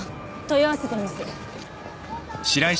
問い合わせてみます。